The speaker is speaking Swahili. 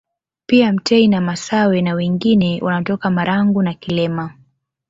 Pia mtei na masawe na wengine wanatoka Marangu na Kilema